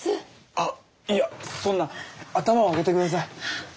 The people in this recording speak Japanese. あいやそんな頭を上げてください。